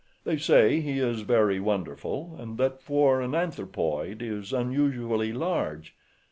They say he is very wonderful, and that for an anthropoid he is unusually large.